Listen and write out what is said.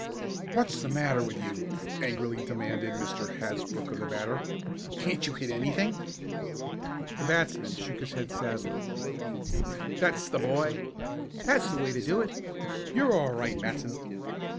"What's the matter with you?" angrily demanded Mr. Hasbrook of the batter. "Can't you hit anything?" The batsman shook his head sadly. "That's the boy!" "That's the way to do it!" "You're all right, Matson!"